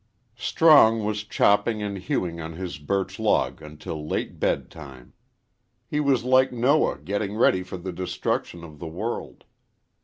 XXX STRONG was chopping and hewing on his birch log until late bedtime. He was like Noah getting ready for the destruction of the world.